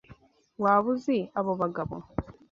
Waba uzi abo bagabo?